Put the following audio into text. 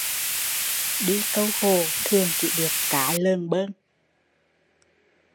Đi câu hồ thường chỉ được cá lờn tơn